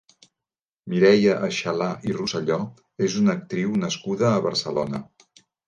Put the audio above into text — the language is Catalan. Mireia Aixalà i Rosselló és una actriu nascuda a Barcelona.